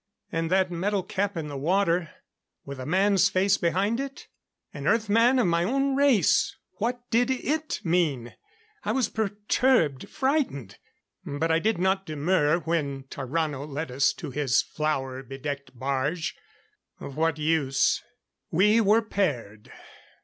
And that metal cap in the water with a man's face behind it? An Earth man of my own race! What did it mean? I was perturbed frightened. But I did not demur when Tarrano led us to his flower bedecked barge. Of what use? We were paired.